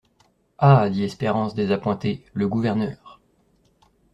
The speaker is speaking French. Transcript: Ah ! dit Espérance désappointé, le gouverneur.